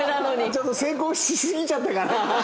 ちょっと成功しすぎちゃったかな。